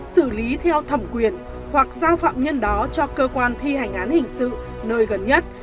xử lý theo thẩm quyền hoặc giao phạm nhân đó cho cơ quan thi hành án hình sự nơi gần nhất